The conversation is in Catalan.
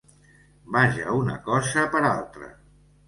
Vaja una cosa per altra.